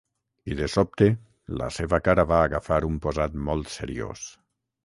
I de sobte la seva cara va agafar un posat molt seriós.